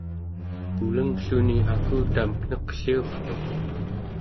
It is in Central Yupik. pulenglluni akutamek neqliurtuq